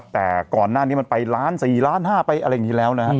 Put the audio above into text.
แต่ก่อนหน้านี้มันไปล้าน๔ล้าน๕ไปอะไรอย่างนี้แล้วนะฮะ